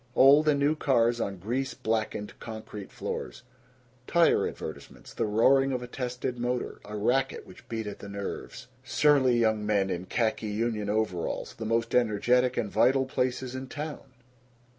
Old and new cars on grease blackened concrete floors. Tire advertisements. The roaring of a tested motor; a racket which beat at the nerves. Surly young men in khaki union overalls. The most energetic and vital places in town.